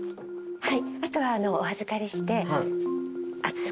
はい。